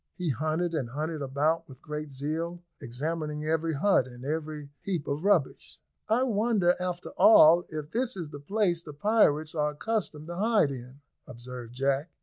They hunted and hunted about with great zeal, examining every hut and every heap of rubbish. "I wonder, after all, if this is the place the pirates are accustomed to hide in," observed Jack.